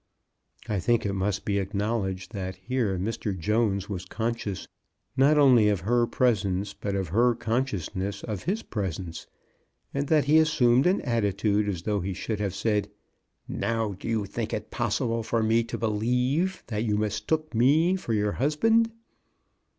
I think it must be acknowledged that here Mr. Jones was conscious not only of her presence, but of her consciousness of his presence, and that he assumed an attitude as though he should have said, "Now do you think it possible for me to believe that you mis took me for your husband